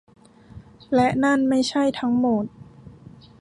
และนั่นไม่ใช่ทั้งหมด